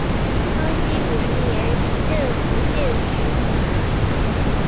康熙五十年任福建巡抚。